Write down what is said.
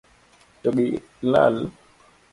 To gi lal.